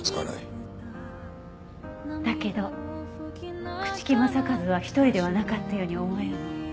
だけど朽木政一は一人ではなかったように思えるの。